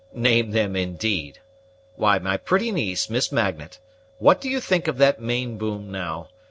Name them, indeed! Why, my pretty niece, Miss Magnet, what do you think of that main boom now?